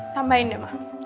tambahin deh mam